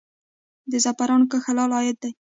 د زعفرانو کښت حلال عاید دی؟